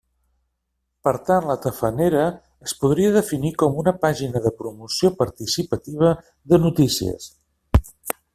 Per tant, la Tafanera es podria definir com una pàgina de promoció participativa de notícies.